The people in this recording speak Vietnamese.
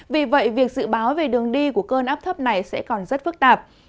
vì vậy việc dự báo về đường đi của cơn áp thấp này sẽ còn rất phức tạp